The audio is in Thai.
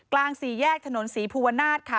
กลาง๔แยกถนนสีภูวนาศค่ะ